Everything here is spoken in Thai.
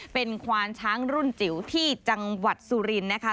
เป็นควานช้างรุ่นจิ๋วที่จังหวัดสุรินทร์นะคะ